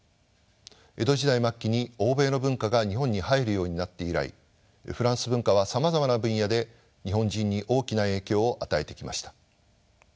江戸時代末期に欧米の文化が日本に入るようになって以来フランス文化はさまざまな分野で日本人に大きな影響を与えてきました。